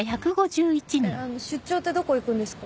出張ってどこ行くんですか？